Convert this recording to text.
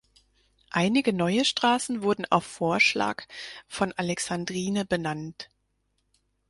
Einige neue Straßen wurden auf Vorschlag von Alexandrine benannt.